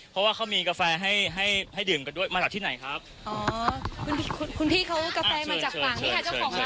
เพราะว่าเขามีกาแฟให้ดื่มกันด้วยมาจากที่ไหนครับอ๋อคุณพี่เขากาแฟมาจากฝั่ง